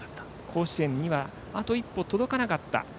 甲子園にはあと一歩届かなかったと。